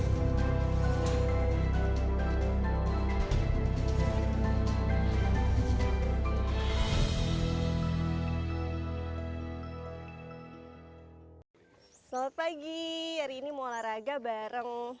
selamat pagi hari ini mau olahraga bareng